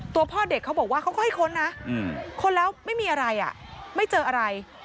พ่อเด็กเขาบอกว่าเขาก็ให้ค้นนะค้นแล้วไม่มีอะไรไม่เจออะไร